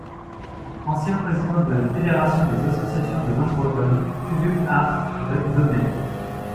Ancien président de la fédération des associations de langue bretonne, Kuzul ar Brezhoneg.